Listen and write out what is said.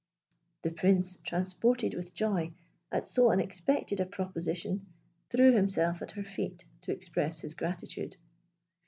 The Prince, transported with joy at so unexpected a proposition, threw himself at her feet to express his gratitude.